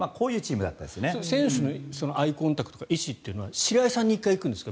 選手のアイコンタクトとか意思っていうのは白井さんに１回行くんですか？